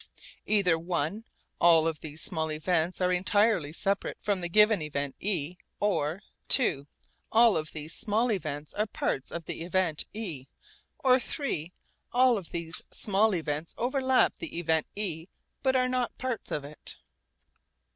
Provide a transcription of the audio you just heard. Either (i) all of these small events are entirely separate from the given event e, or (ii) all of these small events are parts of the event e, or (iii) all of these small events overlap the event e but are not parts of it.